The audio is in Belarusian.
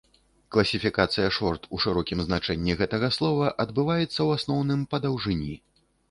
Класіфікацыя шорт у шырокім значэнні гэтага слова адбываецца, у асноўным, па даўжыні.